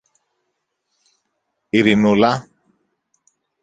Ειρηνούλα!